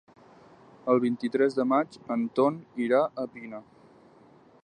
El vint-i-tres de maig en Ton irà a Pina.